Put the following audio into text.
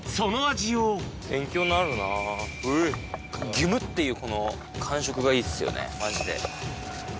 ギュムっていうこの感触がいいですよねマジで。